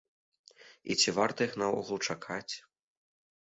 І ці варта іх наогул чакаць?